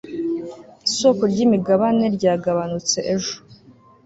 isoko ryimigabane ryagabanutse ejo